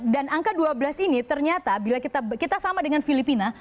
dan angka dua belas ini ternyata kita sama dengan filipina